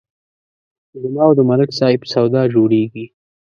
زما او د ملک صاحب سودا جوړېږي